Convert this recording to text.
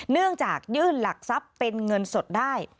เนื่องจากยื่นหลักทรัพย์เป็นเงินสดได้